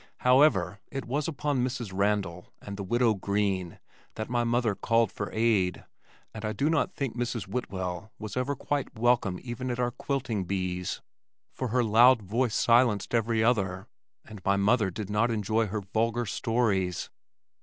However, it was upon Mrs. Randal and the widow Green that my mother called for aid, and I do not think Mrs. Whitwell was ever quite welcome even at our quilting bees, for her loud voice silenced every other, and my mother did not enjoy her vulgar stories.